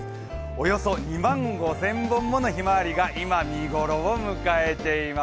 およそ２万５０００本ものひまわりが今見頃を迎えています。